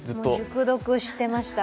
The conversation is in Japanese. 熟読してました。